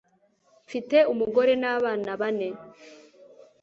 mfite umugore n'abana bane